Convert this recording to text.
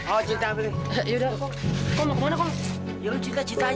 oh cerita boleh